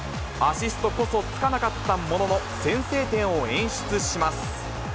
アシストこそつかなかったものの、先制点を演出します。